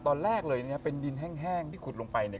ตอนแรกเลยเนี่ยเป็นดินแห้งที่ขุดลงไปเนี่ย